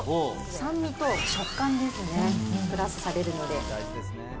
酸味と食感ですね、プラスされるので。